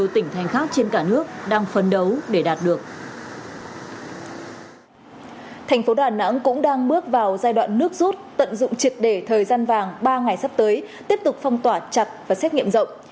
thành phố đà nẵng cũng đang bước vào giai đoạn nước rút tận dụng triệt để thời gian vàng ba ngày sắp tới tiếp tục phong tỏa chặt và xét nghiệm rộng